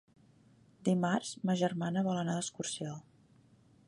Dimarts ma germana vol anar d'excursió.